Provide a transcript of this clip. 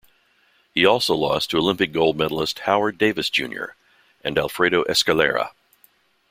He also lost to Olympic gold medalist Howard Davis Jr.. and Alfredo Escalera.